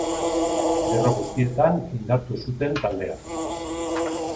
Lerro guztietan indartu zuten taldea.